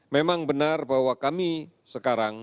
memang benar bahwa kami sekarang